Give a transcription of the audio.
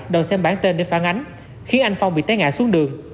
đòi xem bản tên để phản ánh khiến anh phong bị té ngại xuống đường